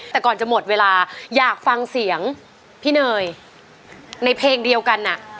แต่ก่อนจะหมดเวลาอยากฟังเสียงพี่เนยในเพลงเดียวกัน